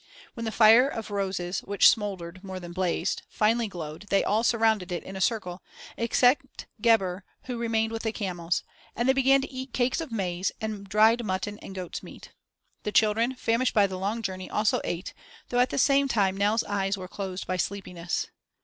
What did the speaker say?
When the fire of roses, which smoldered more than blazed, finally glowed they all surrounded it in a circle, except Gebhr who remained with the camels, and they began to eat cakes of maize, and dried mutton and goats' meat. The children, famished by the long journey, also ate, though at the same time Nell's eyes were closed by sleepiness.